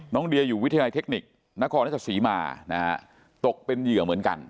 เดียอยู่วิทยาลัยเทคนิคนครราชศรีมานะฮะตกเป็นเหยื่อเหมือนกัน